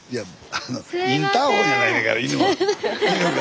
あのインターホンやないんやから犬は犬が。